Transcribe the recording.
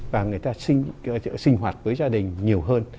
và người ta sinh hoạt với gia đình nhiều hơn